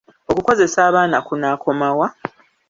Okukozesa abaana kunaakoma wa?